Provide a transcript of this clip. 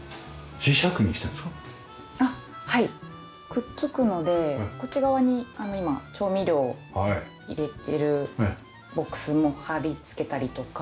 くっつくのでこっち側に今調味料を入れてるボックスも張り付けたりとか。